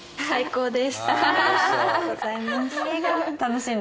ありがとうございます。